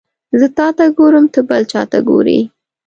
زه تاته ګورم ته بل چاته ګوري